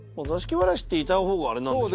わらしっていた方があれなんでしょ？